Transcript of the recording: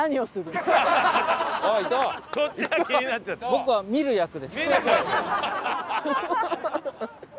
僕は見る役です。